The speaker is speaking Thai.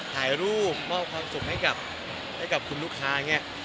ถ่ายรูปมอบความสุขให้กับคุณลูกค้าอย่างนี้